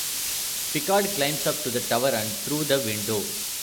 Picard climbs up to the tower and through the window.